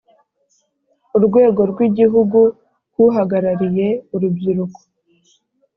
urwego rw Igihugu k Uhagarariye urubyiruko